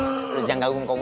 udah jangan ganggu kong